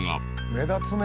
目立つね。